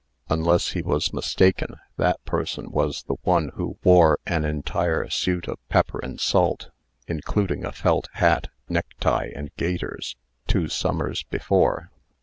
Unless he was mistaken, that person was the one who wore an entire suit of pepper and salt, including a felt hat, necktie, and gaiters, two summers before.